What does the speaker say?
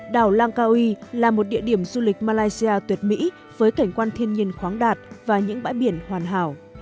đảo lang cao là một địa điểm du lịch malaysia tuyệt mỹ với cảnh quan thiên nhiên khoáng đạt và những bãi biển hoàn hảo